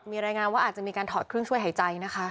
มีรายงานว่าอาจจะมีการถอดเครื่องช่วยหายใจนะคะ